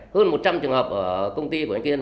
hơn một trăm linh trường hợp ở công ty của anh kiên